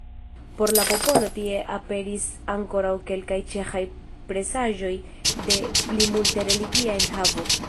Por la popolo tie aperis ankoraŭ kelkaj ĉeĥaj presaĵoj de plimulte religia enhavo.